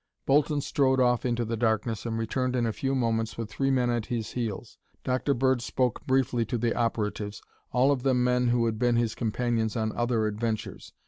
Bolton strode off into the darkness and returned in a few moments with three men at his heels. Dr. Bird spoke briefly to the operatives, all of them men who had been his companions on other adventures.